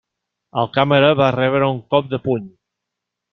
El càmera va rebre un cop de puny.